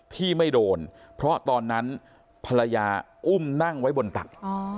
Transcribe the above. ตอนนั้นภรรยาอุ้มนั่งไว้บนตัด